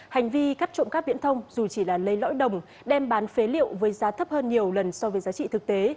hành vi cắt trộm cắp viễn thông dù chỉ là lấy lõi đồng đem bán phế liệu với giá thấp hơn nhiều lần so với giá trị thực tế